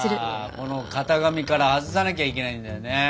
この型紙から外さなきゃいけないんだよね。